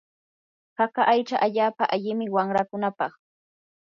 haka aycha allaapa allimi wanrakunapaq.